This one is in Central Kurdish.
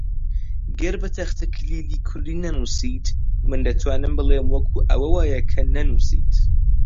گەر بە تەختەکلیلی کوردی نەنووسیت، من دەتوانم بڵێم وەکو ئەوە وایە کە نەنووسیت